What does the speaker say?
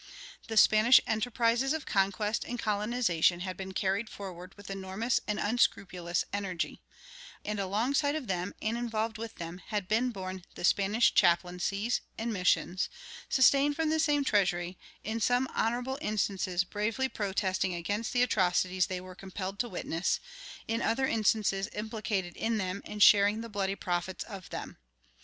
The Spanish enterprises of conquest and colonization had been carried forward with enormous and unscrupulous energy, and alongside of them and involved with them had been borne the Spanish chaplaincies and missions, sustained from the same treasury, in some honorable instances bravely protesting against the atrocities they were compelled to witness, in other instances implicated in them and sharing the bloody profits of them.